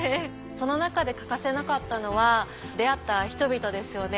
その中で欠かせなかったのは出会った人々ですよね。